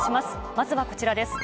まずはこちらです。